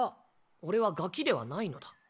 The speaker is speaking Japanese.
俺はガキではないのだ。